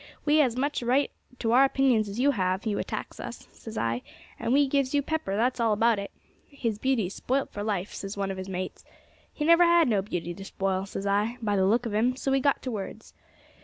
'We has as much right to our opinions as you have; you attacks us,' says I, 'and we gives you pepper, that's all about it.' 'His beauty's spoilt for life,' says one of his mates. 'He never had no beauty to spoil,' says I, 'by the look of 'im,' so we got to words.